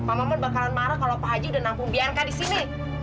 pak maman bakalan marah kalau pak haji udah nangkung biarkan di sini